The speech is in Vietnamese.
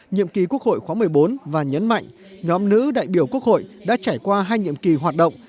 nhiệm kỳ quốc hội khóa một mươi bốn và nhấn mạnh nhóm nữ đại biểu quốc hội đã trải qua hai nhiệm kỳ hoạt động